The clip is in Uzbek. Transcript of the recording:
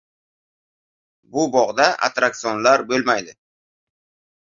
Bu bog'da attraksionlar bo'lmaydi.